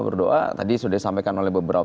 berdoa tadi sudah disampaikan oleh beberapa